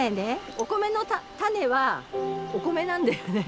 お米の種はお米なんだよね。